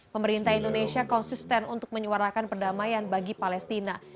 pemerintah indonesia konsisten untuk menyuarakan perdamaian bagi palestina